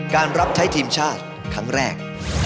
รับใช้ทีมชาติครั้งแรก